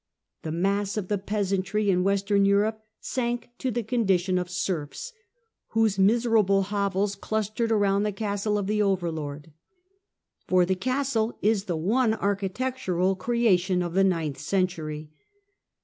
The mass of the peasantry in Serfdom Western Europe sank to the condition of serfs, whose miserable hovels clustered around the castle of the over lord. For the castle is the one architectural creation of the ninth century.